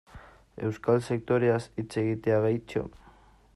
Euskal sektoreaz hitz egitea, gehitxo?